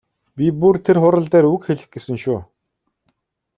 Би бүр тэр хурал дээр үг хэлэх гэсэн шүү.